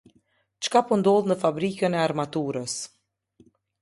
Çka po ndodh në fabrikën e armaturës.